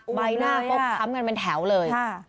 อุบายหน้าก็ทำกันเป็นแถวเลย